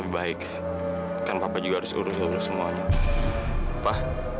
berhasrat ayo lilerim semuanya